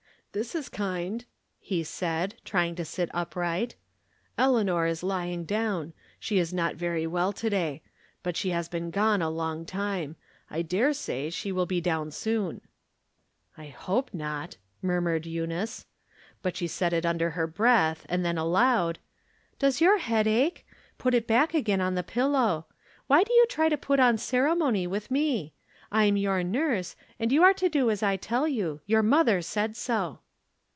" This is kind," he said, trying to sit upright. " Eleanor is lying down. She is not very well to day ; but she has been gone a long time ; I dare say she will be down soon." " I hope not," muttered Eunice ; but she said it under her breath, and then aloud :" Does your head ache ? Put it back again on the pillow. Why do you try to put on ceremony with me ? I'm your nurse, and you are to do as I tell you ; your mother said so."